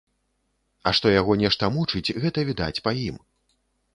А што яго нешта мучыць, гэта відаць па ім.